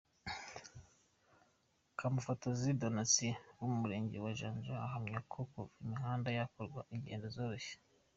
Kamufozi Donatien wo mu Murenge wa Janja ahamya ko kuva imihanda yakorwa ingendo zoroshye.